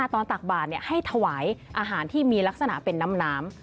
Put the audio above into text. ตักบาดให้ถวายอาหารที่มีลักษณะเป็นน้ำ